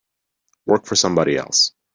Work for somebody else.